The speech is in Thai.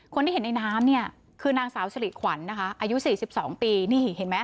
คนที่เห็นในน้ำเนี่ยคือนางสาวสิริขวัญนะคะอายุ๔๒ปีนี่เห็นไหม